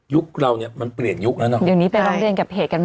ยุคนร่วมประเด็นยุคน่ะเนอะ